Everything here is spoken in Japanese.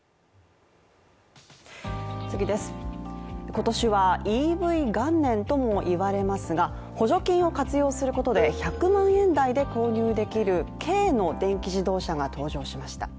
今年はＥＶ元年とも言われますが、補助金を活用することで１００万円台で購入できる軽の電気自動車が登場しました。